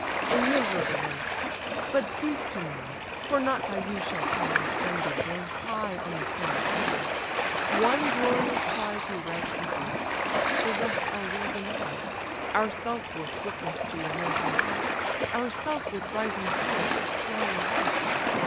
A miserable race! but cease to mourn: For not by you shall Priam's son be borne High on the splendid car: one glorious prize He rashly boasts: the rest our will denies. Ourself will swiftness to your nerves impart, Ourself with rising spirits swell your heart.